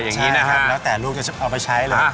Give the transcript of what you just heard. ใช่ครับแล้วแต่ลูกจะเอาไปใช้เลย